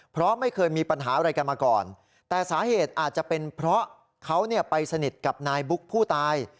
เพราะไม่เคยมีปัญหาอะไรกันมาก่อนแต่สาเหตุอาจจะเป็นเพราะเขาไปสนิทกับนายบุ๊กผู้ตาย